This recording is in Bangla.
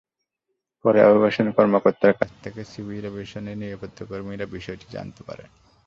পরে অভিবাসন কর্মকর্তার কাছ থেকে সিভিল এভিয়েশনের নিরাপত্তাকর্মীরা বিষয়টি জানতে পারেন।